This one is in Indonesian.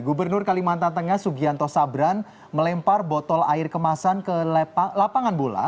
gubernur kalimantan tengah sugianto sabran melempar botol air kemasan ke lapangan bola